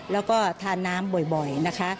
แล้วก็ทานน้ำบ่อยนะคะ